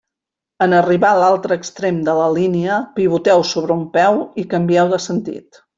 En arribar a l'altre extrem de la línia, pivoteu sobre un peu i canvieu de sentit.